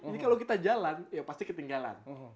ini kalau kita jalan ya pasti ketinggalan